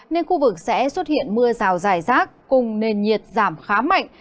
nên khu vực sẽ xuất hiện mưa rào dài rác cùng nền nhiệt giảm khá mạnh